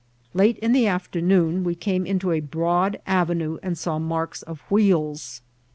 Late in the afternoon we came inio a broad aveaiie and saw marks of wheels.